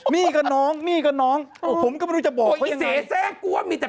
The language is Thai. นี่ก็น้องนี่ก็น้องผมก็ไม่รู้จะบอก